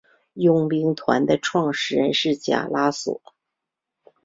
佣兵团的创始人是贾拉索。